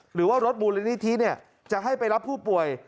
หรือว่ารถบูรณินิธิเนี่ยจะให้ไปรับผู้ป่วย